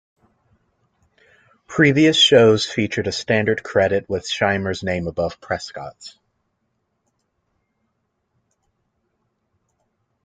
Previous shows featured a standard credit with Scheimer's name above Prescott's.